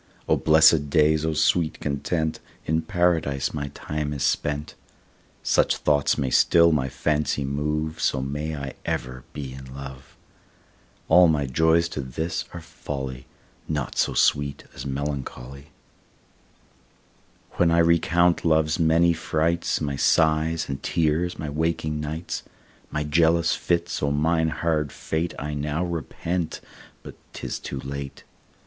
O blessed days, O sweet content, In Paradise my time is spent. Such thoughts may still my fancy move, So may I ever be in love. All my joys to this are folly, Naught so sweet as melancholy. When I recount love's many frights, My sighs and tears, my waking nights, My jealous fits; O mine hard fate I now repent, but 'tis too late.